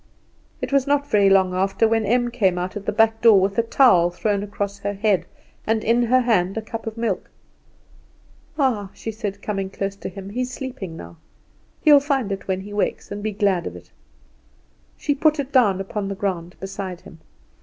It was not very long after when Em came out at the back door with a towel thrown across her head, and in her hand a cup of milk. "Ah," she said, coming close to him, "he is sleeping now. He will find it when he wakes, and be glad of it." She put it down upon the ground beside him.